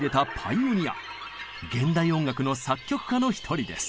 現代音楽の作曲家の一人です。